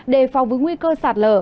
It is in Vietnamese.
để phòng với nguy cơ sạt lờ